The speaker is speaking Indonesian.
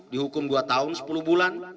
dihukum dua tahun sepuluh bulan